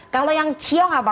kalau yang chiong apa